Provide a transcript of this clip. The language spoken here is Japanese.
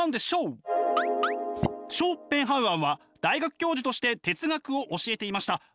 ショーペンハウアーは大学教授として哲学を教えていました。